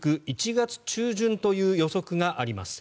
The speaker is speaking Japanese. １月中旬という予測があります。